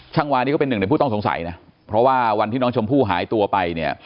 วานี่ก็เป็นหนึ่งในผู้ต้องสงสัยนะเพราะว่าวันที่น้องชมพู่หายตัวไปเนี่ย